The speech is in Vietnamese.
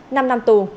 năm năm tù